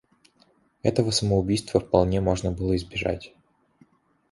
Этого самоубийства вполне можно было избежать.